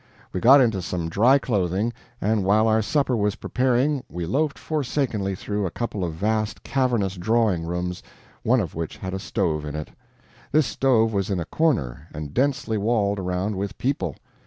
We got into some dry clothing, and while our supper was preparing we loafed forsakenly through a couple of vast cavernous drawing rooms, one of which had a stove in it. This stove was in a corner, and densely walled around with people.